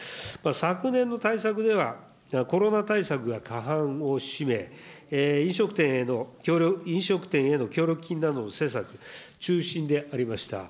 昨年の対策では、コロナ対策が過半を占め、飲食店への協力金などの施策中心でありました。